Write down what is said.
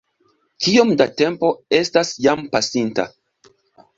Kiom da tempo estas jam pasinta?